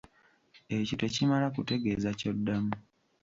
Ekyo tekimala kutegeeza ky'oddamu.